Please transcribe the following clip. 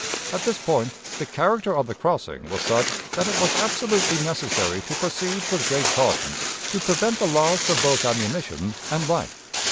At this point the character of the crossing was such that it was absolutely necessary to proceed with great caution to prevent the loss of both ammunition and life.